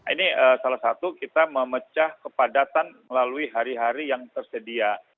ini salah satu kita memecah kepadatan melalui hari hari yang tersedia